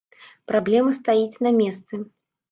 Праблема стаіць на месцы.